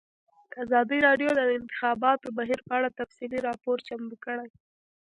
ازادي راډیو د د انتخاباتو بهیر په اړه تفصیلي راپور چمتو کړی.